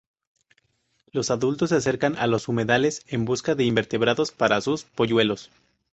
Los adultos se acercan a los humedales en busca de invertebrados para sus polluelos.